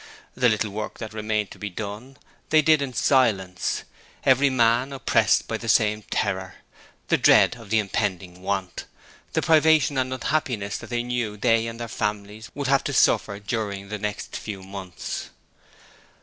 The little work that remained to be done they did in silence, every man oppressed by the same terror the dread of the impending want, the privation and unhappiness that they knew they and their families would have to suffer during the next few months.